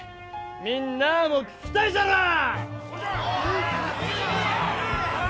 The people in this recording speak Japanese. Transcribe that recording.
みんなあも聞きたいじゃろう？